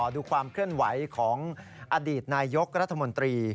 ดูความเคลื่อนไหวของอดีตนายกรัฐมนตรี